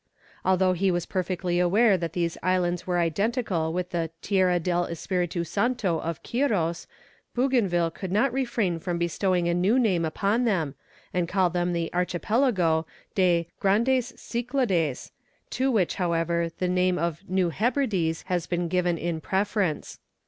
Although he was perfectly aware that these islands were identical with the Tierra del Espiritu Santo of Quiros, Bougainville could not refrain from bestowing a new name upon them, and called them the Archipelago des "Grandes Cyclades," to which however, the name of New Hebrides has been given in preference.